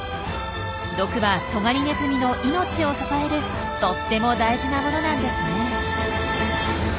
毒はトガリネズミの命を支えるとっても大事なものなんですね。